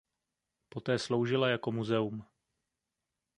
Poté sloužila jako muzeum.